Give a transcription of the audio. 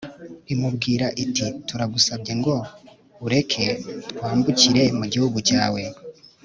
imubwira iti 'turagusabye ngo ureke twambukire mu gihugu cyawe